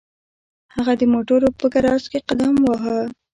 هغه د موټرو په ګراج کې قدم واهه